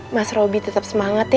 mas roby tetap semangat ya